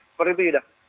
seperti itu juga